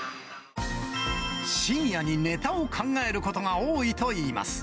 深夜にネタを考えることが多いといいます。